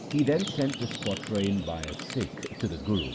He sent this quatrain by a Sikh to the Guru.